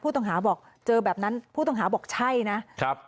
ต้องบอกเจอแบบนั้นผู้ต้องหาบอกใช่นะครับ